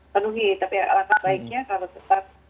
penuhi tapi alasan baiknya kalo tetap